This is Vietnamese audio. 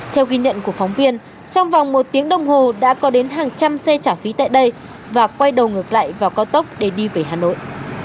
theo ghi nhận của phóng viên trong vòng một tiếng đồng hồ đã có đến hàng trăm xe trả phí tại đây và quay đầu ngược lại vào cao tốc để đi về hà nội